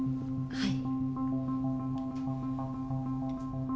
はい。